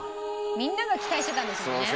みんなが期待してたんですもんね。